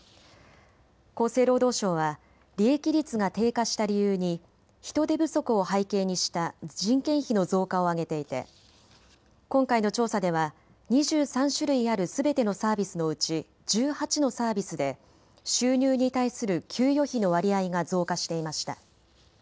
厚生労働省は利益率が低下した理由に人手不足を背景にした人件費の増加を挙げていて今回の調査では２３種類あるすべてのサービスのうち１８のサービスで収入に対する給与費の割合が増加していました。